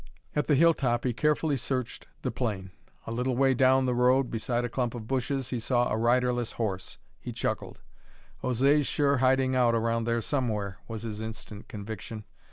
At the hilltop he carefully searched the plain; a little way down the road, beside a clump of bushes, he saw a riderless horse. He chuckled. "José's sure hiding out around there somewhere," was his instant conviction.